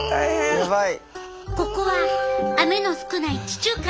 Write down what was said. やばい。